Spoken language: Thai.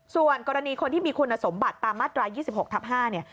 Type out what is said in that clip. ส่วนกรณีคนที่มีคุณสมบัติตามมาตรา๒๖ทับ๕เนี่ย